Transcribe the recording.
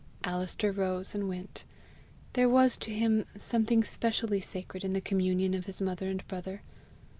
Alister rose and went: there was to him something specially sacred in the communion of his mother and brother.